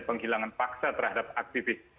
penghilangan paksa terhadap aktivis